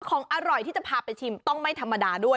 ของอร่อยที่จะพาไปชิมต้องไม่ธรรมดาด้วย